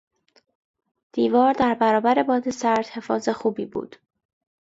دیوار در برابر باد سرد حفاظ خوبی بود.